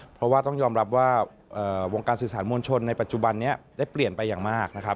เพราะว่าต้องยอมรับว่าวงการสื่อสารมวลชนในปัจจุบันนี้ได้เปลี่ยนไปอย่างมากนะครับ